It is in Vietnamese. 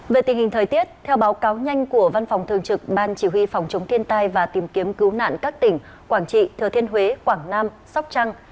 về tình hình thời tiết theo báo cáo nhanh của văn phòng thường trực ban chỉ huy phòng chống thiên tai và tìm kiếm cứu nạn các tỉnh quảng trị thừa thiên huế quảng nam sóc trăng